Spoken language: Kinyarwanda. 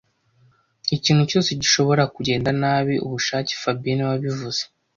Ikintu cyose gishobora kugenda nabi ubushake fabien niwe wabivuze